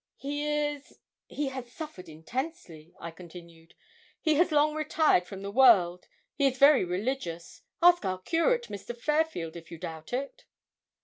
'He is he has suffered intensely,' I continued. 'He has long retired from the world; he is very religious. Ask our curate, Mr. Fairfield, if you doubt it.'